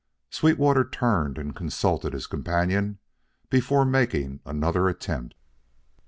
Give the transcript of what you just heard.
Sweetwater turned and consulted his companion before making another attempt.